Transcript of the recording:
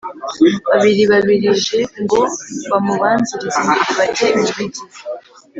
Babiri babiri j ngo bamubanzirize imbere bajye mu migi